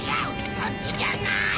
そっちじゃない！